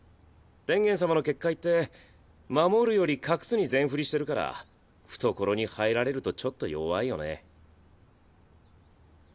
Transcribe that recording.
天元様の結界って「守る」より「隠す」に全振りしてるから懐に入られるとちょっと弱いよね。